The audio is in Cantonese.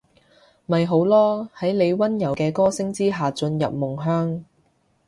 咪好囉，喺你溫柔嘅歌聲之下進入夢鄉